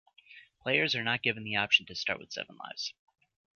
Players are not given the option to start with seven lives.